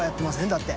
だって。